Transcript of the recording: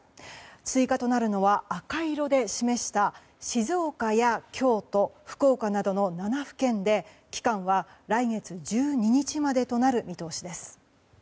追加となるのは赤色で示した静岡や京都福岡などの７府県で期間は来月１２日までとなる見通しです。